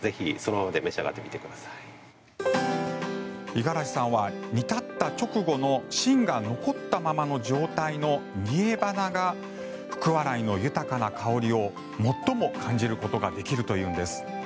五十嵐さんは煮立った直後の芯が残ったままの状態の煮えばなが福、笑いの豊かな香りを最も感じることができるというんです。